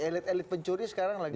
elit elit pencuri sekarang lagi